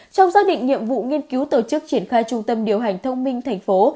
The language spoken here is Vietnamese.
trong xác định nhiệm vụ nghiên cứu tổ chức triển khai trung tâm điều hành thông minh thành phố